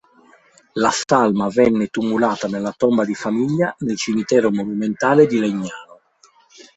La salma venne tumulata nella tomba di famiglia nel cimitero monumentale di Legnano.